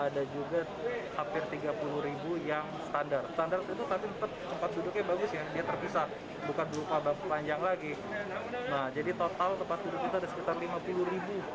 nah jadi total tempat duduk kita ada sekitar lima puluh ribu